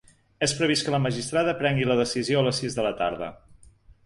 És previst que la magistrada prengui la decisió a les sis de la tarda.